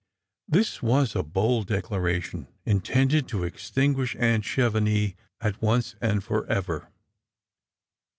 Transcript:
This was a bold declaration intended to extinguish aunt Chevenix at once and for ever.